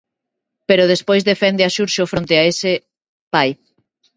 Pero despois defende a Xurxo fronte a ese pai.